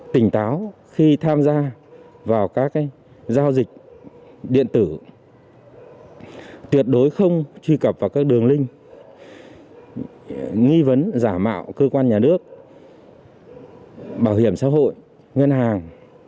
tuyệt đối không truy cập vào các đường linh nghi vấn giả mạo cơ quan nhà nước bảo hiểm xã hội ngân hàng